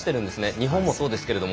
日本もそうですけれども。